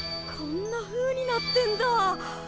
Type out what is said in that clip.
こんなふうになってんだぁ！